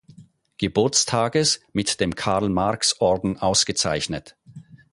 Geburtstages mit dem Karl-Marx-Orden ausgezeichnet.